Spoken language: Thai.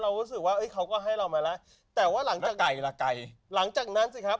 เรารู้สึกว่าเฮ้ยเขาก็ให้เรามาแล้วแต่ว่าหลังจากนั้นหลังจากนั้นสิครับ